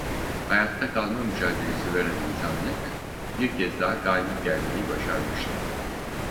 Hayatta kalma mücadelesi veren insanlık, bir kez daha galip gelmeyi başarmıştı.